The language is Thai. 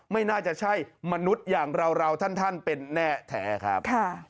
ไม่น่าจะใช่มนุษย์อย่างเราท่านเป็นแน่แท้ครับ